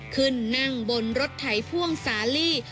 ขึ้นนั่งบนรถไถพ่วงสาลี